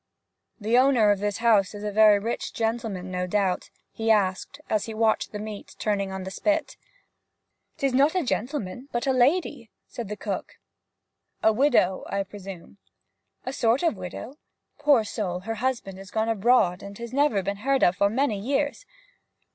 'The owner of this house is a very rich gentleman, no doubt?' he asked, as he watched the meat turning on the spit. ''Tis not a gentleman, but a lady,' said the cook. 'A widow, I presume?' 'A sort of widow. Poor soul, her husband is gone abroad, and has never been heard of for many years.'